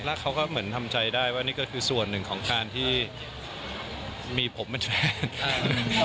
แล้วเขาก็เหมือนทำใจได้ว่านี่ก็คือส่วนหนึ่งของการที่มีผมเป็นแฟน